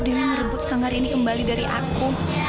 dia merebut sanggar ini kembali dari aku